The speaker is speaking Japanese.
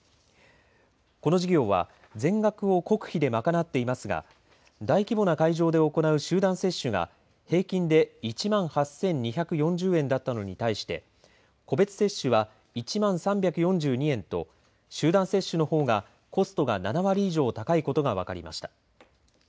この事業は全額を国費で賄っていますが大規模な会場で行う集団接種が平均で１万８２４０円だったのに対して個別接種は１万３４２円と集団接種のほうがコストが７割以上高いことが分かりました。